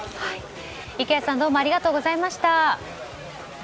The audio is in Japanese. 池谷さんどうもありがとうございました。